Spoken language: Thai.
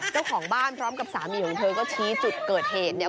เจ้าของบ้านพร้อมกับสามีของเธอก็ชี้จุดเกิดเหตุเนี่ย